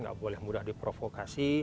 gak boleh mudah diprovokasi